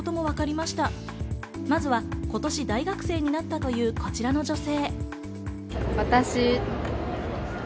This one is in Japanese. まずは今年、大学生になったというこちらの女性。